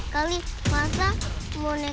kali masa moneka netounya kita gerak sendiri